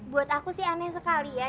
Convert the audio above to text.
buat aku sih aneh sekali ya